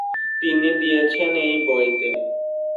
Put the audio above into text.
তিনি দিয়েছেন এই বইতে।